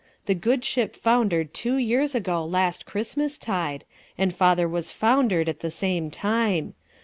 The good ship foundered two years ago last Christmastide, and father was foundered at the same time.